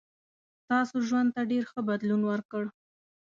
ستاسو ژوند ته ډېر ښه بدلون ورکړ.